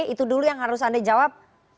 itu dulu yang harus anda jawab